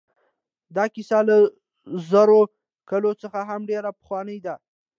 دا کیسه له زرو کالو څخه هم ډېره پخوانۍ ده.